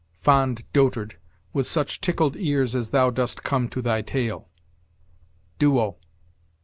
Fond dotard! with such tickled ears as thou dost Come to thy tale." Duo.